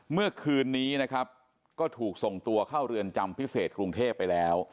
เมื่อคืนนี้นะครับก็ถูกส่งตัวเข้าเรือนจำพิเศษกรุงเทพไปแล้ว